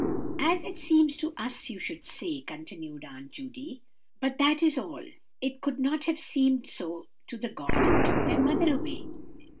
"As it seems to us, you should say," continued Aunt Judy; "but that is all. It could not have seemed so to the God who took their mother away."